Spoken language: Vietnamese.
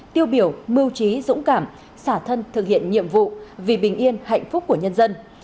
tiêu biểu mưu trí dũng cảm xả thân thực hiện nhiệm vụ vì bình yên hạnh phúc của nhân dân